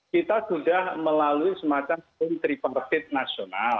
kita sudah melalui semacam tripartit nasional